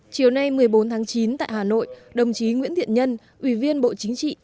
chiều nay một mươi bốn tháng chín tại hà nội đồng chí nguyễn thiện nhân ủy viên bộ chính trị